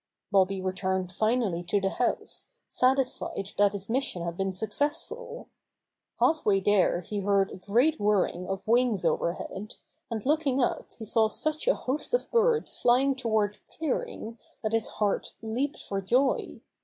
Bobby returned finally to the house, satis fied that his mission had been successful. Half way there he heard a great whirring of wings overhead, and looking up he saw sucH a host of birds flying toward the clearing that his heart leaped for joy.